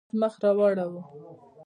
حکومت مخ را اړوي.